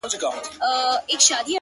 زه درسره ومه! خو ته راسره نه پاته سوې!